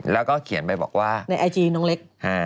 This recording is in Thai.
แล้วก็เขียนไปบอกว่าในไอจีน้องเล็ก